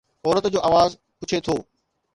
عورت جو آواز پڇي ٿو